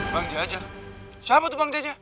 bang jajah siapa tuh bang jajah